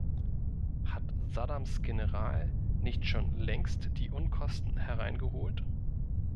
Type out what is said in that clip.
Hat Saddams General nicht schon längst die Unkosten hereingeholt?